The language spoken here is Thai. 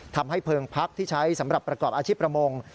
ทำให้เพลิงพักที่ใช้สำหรับประกอบอาชีพประมง